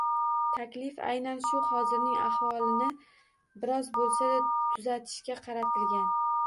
Taklif aynan shu – hozirning ahvolini biroz bo‘lsa-da tuzatishga qaratilgan.